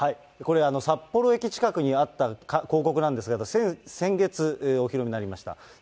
これ、札幌駅近くにあった広告なんですけど、先月、お披露目になりました。